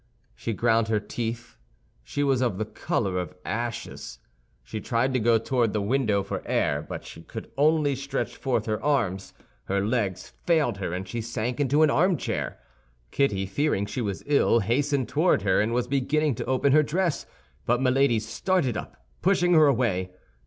She ground her teeth; she was of the color of ashes. She tried to go toward the window for air, but she could only stretch forth her arms; her legs failed her, and she sank into an armchair. Kitty, fearing she was ill, hastened toward her and was beginning to open her dress; but Milady started up, pushing her away.